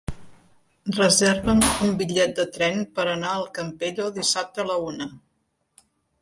Reserva'm un bitllet de tren per anar al Campello dissabte a la una.